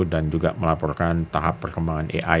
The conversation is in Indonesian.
dan juga melaporkan tahap perkembangan ai